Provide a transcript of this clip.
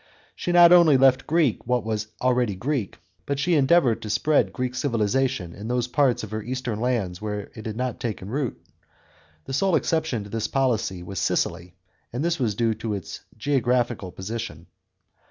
She not only left Greek what was already Greek, but she endeavoured to spread Greek civilisation in those parts of her eastern lands where it had not taken root. The sole exception to this rule of policy was Sicily ; and this was due to its geographical position.